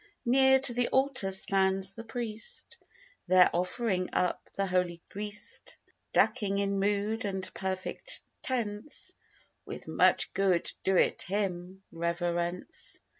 Near to the altar stands the priest, There offering up the holy grist; Ducking in mood and perfect tense, With (much good do't him) reverence.